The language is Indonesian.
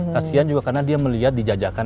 kasian juga karena dia melihat dijajakan